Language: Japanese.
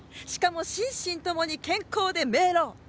しかも心身ともに健康で明朗。